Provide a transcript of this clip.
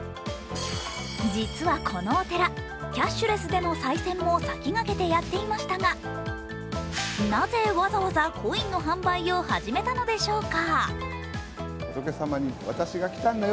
実は、このお寺、キャッシュレスでのさい銭も先駆けてやっていましたがなぜわざわざコインの販売を始めたのでしょうか。